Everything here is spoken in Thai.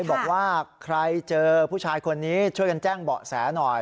บอกว่าใครเจอผู้ชายคนนี้ช่วยกันแจ้งเบาะแสหน่อย